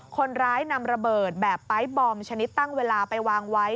คนร้ายนำระเบิดแบบไปร์ทบอมชนิดตั้งเวลาไปวางไว้